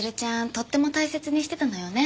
とっても大切にしてたのよね。